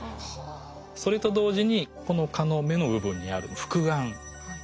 それと同時にこの蚊の目の部分にある複眼。